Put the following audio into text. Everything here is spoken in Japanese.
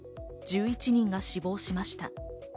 １１人が死亡しました。